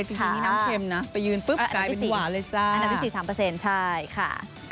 ทะเลจริงนี้น้ำเค็มนะไปยืนปุ๊บกลายเป็นหวานเลยจ้า